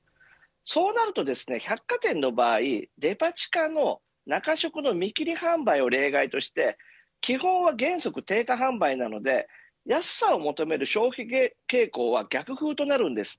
そうなると、百貨店の場合デパ地下の中食の見切り販売を例外として基本は、原則定価販売なので安さを求める消費傾向は逆風となるんです。